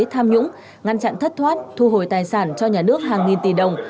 tham nhũng ngăn chặn thất thoát thu hồi tài sản cho nhà nước hàng nghìn tỷ đồng